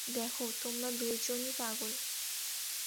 দেখো, তোমরা দুইজনই পাগল।